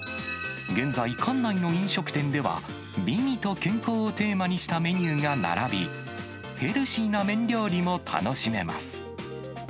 現在、館内の飲食店では、美味と健康をテーマにしたメニューが並び、ヘルシーな麺料理も楽しめます。